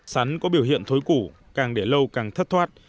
sắn có biểu hiện thối củ càng để lâu càng thất thoát